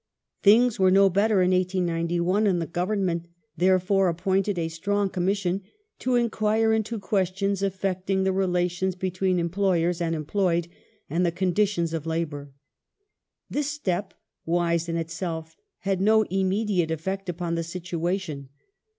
Things were no better in 1891, and the Government, therefore, appointed a strong Commission to " inquire into questions affecting the relations be tween employee and employed and the conditions of labour ". This step, wise in itself, had no immediate effect upon the situa tion.